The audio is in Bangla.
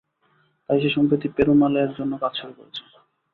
তাই সে সম্প্রতি পেরুমাল এর জন্য কাজ শুরু করেছে।